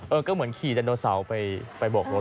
ก็เหมือนขี่ดันโนเสาร์ไปโบกรถ